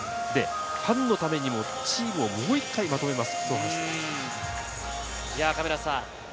ファンのためにもチームをもう１回まとめますと話していました。